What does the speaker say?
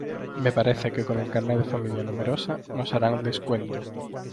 Me parece que con el carné de familia numerosa nos harán descuento.